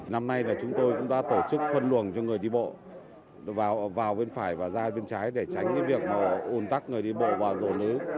năm nay là chúng tôi cũng đã tổ chức phân luồng cho người đi bộ vào bên phải và ra bên trái để tránh cái việc mà ồn tắc người đi bộ và dồn ứ